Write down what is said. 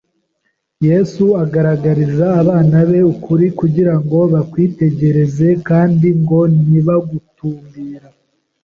Yesu agaragariza abana be ukuri kugira ngo bakwitegereze, kandi ngo nibagutumbira,